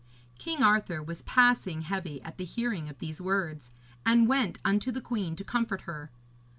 King Arthur was passing heavy at the hearing of these words, and went unto the queen to comfort her.